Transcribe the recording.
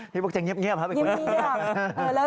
พี่บุ๊คจะเงียบครับ